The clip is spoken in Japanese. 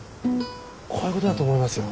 こういうことだと思いますよ。